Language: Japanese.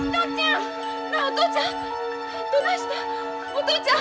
お父ちゃん